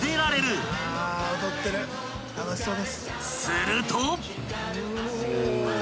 ［すると］